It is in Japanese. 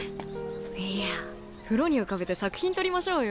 いや風呂に浮かべて作品撮りましょうよ。